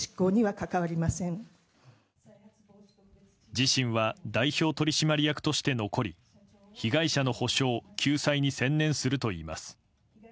自身は代表取締役として残り被害者の補償・救済に専念するといいます。